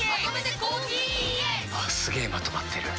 すげえまとまってる。